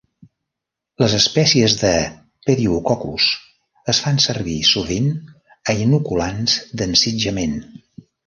Les espècies de "pediococcus" es fan servir sovint a inoculants d'ensitjament.